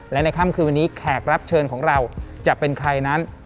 และในค่ำคืนวันนี้แขกรับเชิญของเราจะเป็นใครนั้น